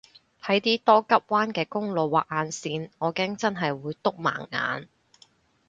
喺啲多急彎嘅公路畫眼線我驚真係會篤盲眼